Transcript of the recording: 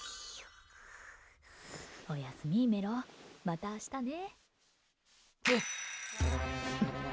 おやすみメロ、また明日ね。